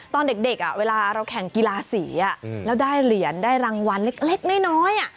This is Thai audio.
ตอนเด็กเวลาเราแข่งกีฬาสีแล้วได้เหรียญได้รางวัลเล็กน้อย